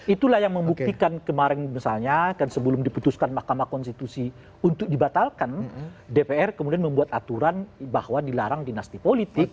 itulah yang membuktikan kemarin misalnya dan sebelum diputuskan mahkamah konstitusi untuk dibatalkan dpr kemudian membuat aturan bahwa dilarang dinasti politik